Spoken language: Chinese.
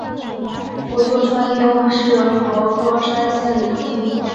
古座川町是和歌山县的一町。